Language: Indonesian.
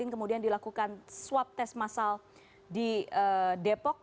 kemudian dilakukan swab tes masal di depok